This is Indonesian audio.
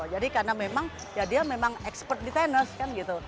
jadi karena memang ya dia memang expert di tenis kan gitu